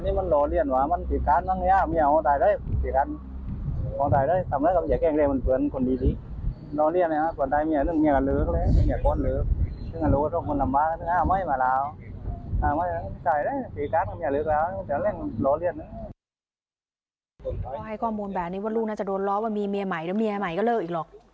แล้วยังพร้อมให้นี้แบบนี้ว่าลูกน่าจะโดนเล้ามามีเมียใหม่แล้วมีอีกหรอก